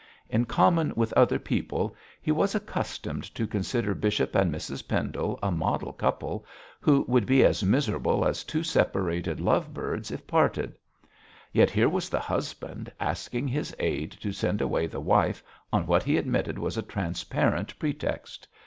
In common with other people, he was accustomed to consider Bishop and Mrs Pendle a model couple, who would be as miserable as two separated love birds if parted. Yet here was the husband asking his aid to send away the wife on what he admitted was a transparent pretext.